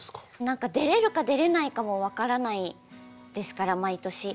何か出られるか出られないかも分からないですから毎年。